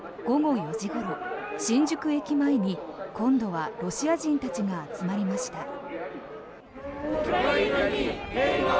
午後４時ごろ、新宿駅前に今度はロシア人たちが集まりました。